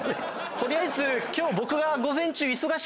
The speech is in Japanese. とりあえず今日僕が。